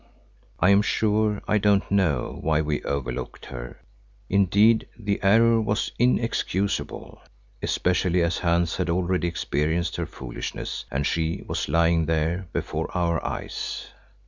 I am sure I don't know why we overlooked her; indeed, the error was inexcusable, especially as Hans had already experienced her foolishness and she was lying there before our eyes.